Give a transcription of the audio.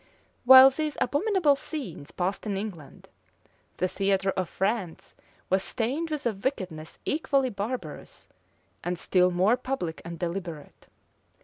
While these abominable scenes passed in England, the theatre of France was stained with a wickedness equally barbarous, and still more public and deliberate.